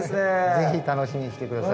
ぜひ楽しみにして下さい。